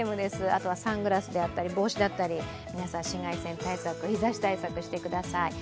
あとはサングラスだったり帽子であったり、皆さん、紫外線対策、日ざし対策してください。